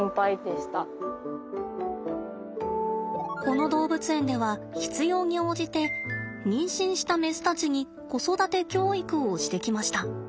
この動物園では必要に応じて妊娠したメスたちに子育て教育をしてきました。